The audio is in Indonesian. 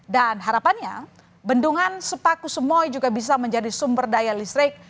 dan harapannya bendungan sepaku semoy juga bisa menjadi sumber daya listrik